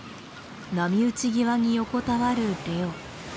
波打ち際に横たわるレオ。